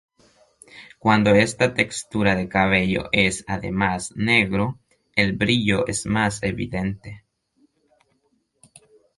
Cuando esta textura de cabello es además negro, el brillo es más evidente.